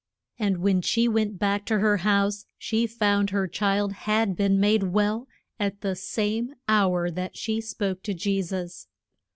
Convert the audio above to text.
And when she went back to her house she found her child had been made well at the same hour that she spoke to Je sus.